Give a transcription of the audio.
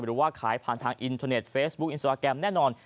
หรือว่าขายผ่านทางอินเทอร์เน็ตเฟซบุ๊คอินสตราแกรมแน่นอน